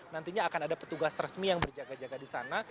nantinya akan ada petugas resmi yang berjaga jaga di sana